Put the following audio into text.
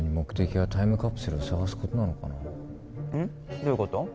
どういうこと？